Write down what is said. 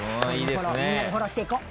みんなでフォローしていこう。